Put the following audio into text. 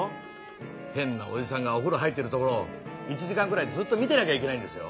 変なおじさんがお風呂入ってるところを１時間ぐらいずっと見てなきゃいけないんですよ。